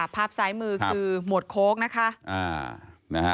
ภาพซ้ายมือคือหมวดโค้กนะคะ